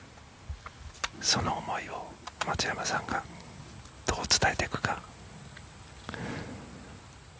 その思いを松山さんがどう伝えていくか。